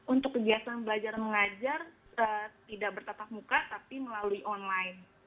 untuk kegiatan belajar mengajar tidak bertatap muka tapi melalui online